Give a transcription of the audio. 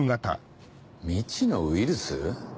未知のウイルス？